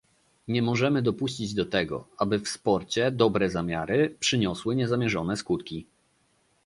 Nie możemy dopuścić do tego, aby w sporcie dobre zamiary przyniosły niezamierzone skutki